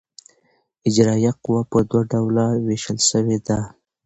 اجرائیه قوه پر دوه ډوله وېشل سوې ده.